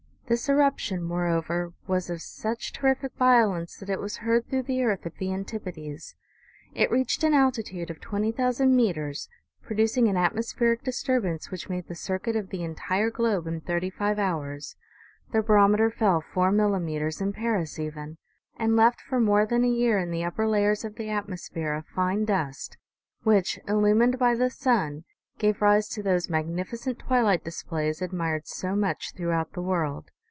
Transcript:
This eruption, moreover, was of such terrific violence that it was heard through the earth at the antipodes ; it reached an altitude of twenty thousand meters, producing an at mospheric disturbance which made the circuit of the entire globe in thirty five hours (the barometer fell four milomet ers in Paris even), and left for more than a year in the upper layers of the atmosphere a fine dust, which, illu mined by the sun, gave rise to those magnificent twilight displays admired so much throughout the world.